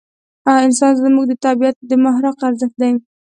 انسان زموږ د طبعیت د محراق ارزښت دی.